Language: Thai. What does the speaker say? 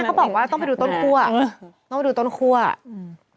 เขาบอกว่าต้องไปดูต้นคั่วเออต้องไปดูต้นคั่วอืม